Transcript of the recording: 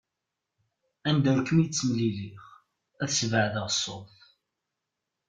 Anda ur kem-id-ttemlileɣ, ad sbeɛdeɣ ṣṣut.